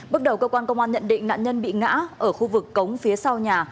bước đầu cơ quan công an nhận định nạn nhân bị ngã ở khu vực cống phía sau nhà